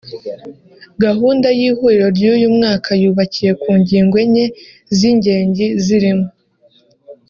Gahunda y’ihuriro ry’uyu mwaka yubakiye ku ngingo enye z’ingengi zirimo